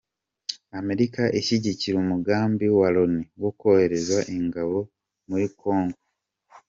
Amerika ishyigikiye umugambi wa loni wo kohereza ingabo muri kongo